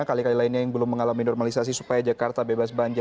kali kali lainnya yang belum mengalami normalisasi supaya jakarta bebas banjir